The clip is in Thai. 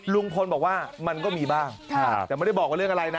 ลุงพลบอกว่ามันก็มีบ้างแต่ไม่ได้บอกว่าเรื่องอะไรนะ